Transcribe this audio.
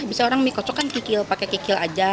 biasanya orang mie kocok kan kikil pakai kikil aja